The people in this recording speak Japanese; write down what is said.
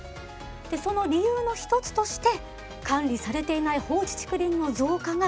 でその理由の一つとして管理されていない放置竹林の増加が指摘されているんです。